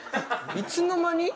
いつの間に？